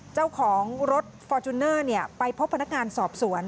เจ้าของรถฟอร์จูเนอร์ไปพบพนักงานสอบสวน